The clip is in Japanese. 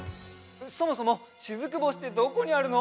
そもそもしずく星ってどこにあるの？